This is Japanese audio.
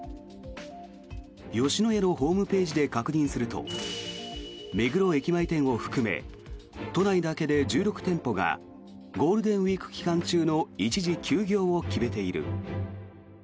吉野家のホームページで確認すると目黒駅前店を含め都内だけで１６店舗がゴールデンウィーク期間中の一時休業を決めている。